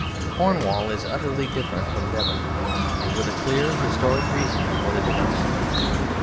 Cornwall is utterly different from Devon, and with a clear historic reason for the difference.